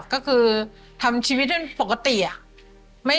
ก็คือทำชีวิตเรื่องปกติอะ